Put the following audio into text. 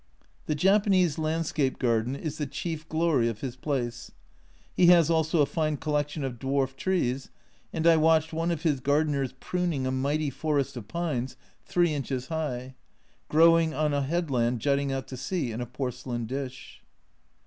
The Japanese landscape garden is the chief glory of his place. He has also a fine collection of dwarf trees, and I watched one of his gardeners pruning a mighty forest of pines three inches high, growing on a head land jutting out to sea in a porcelain dish.